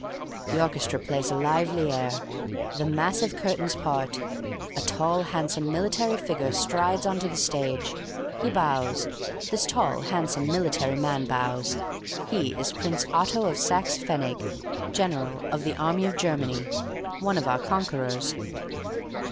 "The orchestra plays a lively air. The massive curtains part. A tall, handsome military figure strides on to the stage. He bows. This tall, handsome, military man bows. He is Prince Otto of Saxe Pfennig, General of the Army of Germany. One of our conquerors.